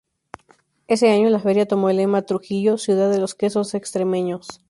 Ese año la feria tomó el lema "Trujillo: ciudad de los quesos extremeños".